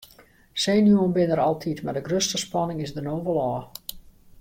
Senuwen binne der altyd mar de grutste spanning is der no wol ôf.